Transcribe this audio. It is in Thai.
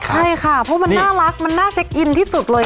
ใช่ค่ะเพราะมันน่ารักมันน่าเช็คอินที่สุดเลย